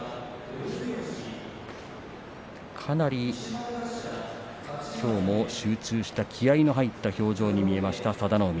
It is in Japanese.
かなりきょうも集中した気合いの入った表情に見えました佐田の海。